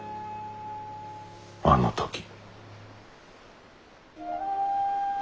あの時。